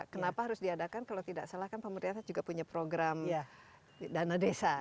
kenapa harus diadakan kalau tidak salah kan pemerintah juga punya program dana desa